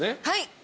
はい。